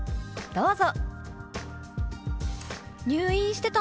どうぞ。